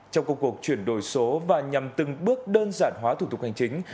trong công cuộc chuyển đổi số và nhằm từng bước đơn giản hóa thủ tục hành chính